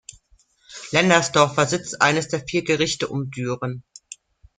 Lendersdorf war Sitz eines der vier Gerichte um Düren.